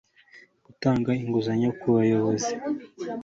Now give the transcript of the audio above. Gutanga inguzanyo ku bayobozi